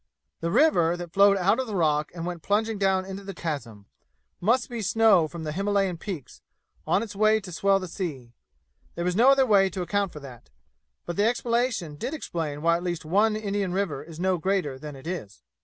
The river, that flowed out of rock and went plunging down into the chasm, must be snow from the Himalayan peaks, on its way to swell the sea. There was no other way to account for that; but that explanation did explain why at least one Indian river is no greater than it is.